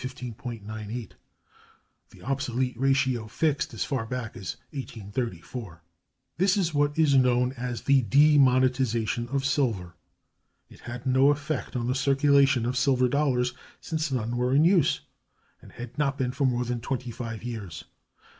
98, the obsolete ratio fixed as far back as 1834). This is what is known as the "demonetization" of silver. It had no effect on the circulation of silver dollars, since none were in use, and had not been for more than twenty five years.